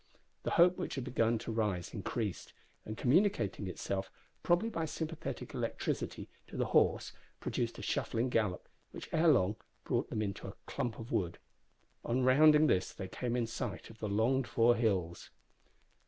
The hope which had begun to rise increased, and communicating itself, probably by sympathetic electricity, to the horse, produced a shuffling gallop, which ere long brought them to a clump of wood. On rounding this they came in sight of the longed for hills.